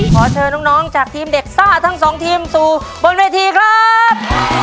ขอเชิญน้องจากทีมเด็กซ่าทั้งสองทีมสู่บนเวทีครับ